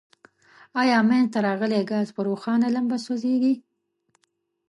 آیا منځ ته راغلی ګاز په روښانه لمبه سوځیږي؟